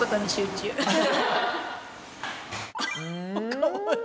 かわいい。